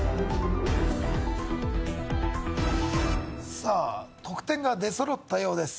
さあ得点が出そろったようです